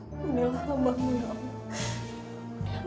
aku harus segera tunggu sama adit ya